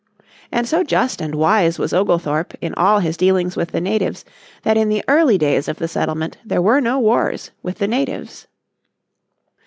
And so just and wise was Oglethorpe in all his dealings with the natives that in the early days of the settlement there were no wars with the natives.